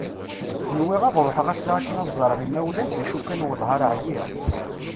Nwiɣ ad ruḥeɣ ass-a akken ad ẓreɣ imawlan d acu kan wellah ar ɛyiɣ.